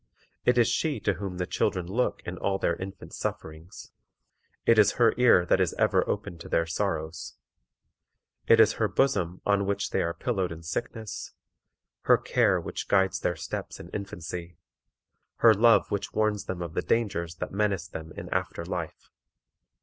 It is she to whom the children look in all their infant sufferings; it is her ear that is ever open to their sorrows; it is her bosom on which they are pillowed in sickness; her care which guides their steps in infancy; her love which warns them of the dangers that menace them in after life.